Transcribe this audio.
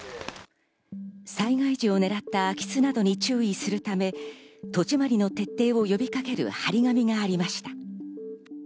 災害時を狙った空き巣などに注意するため、戸締りの徹底を呼びかける張り紙がありました。